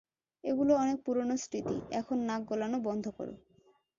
এগুলো অনেক পুরনো স্মৃতি, এখন নাক গলানো বন্ধ কর!